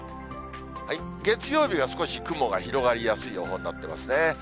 月曜日が少し雲が広がりやすい予報になってますね。